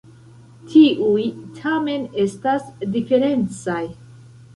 Tiuj tamen estas diferencaj.